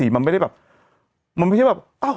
มันไม่ได้แบบ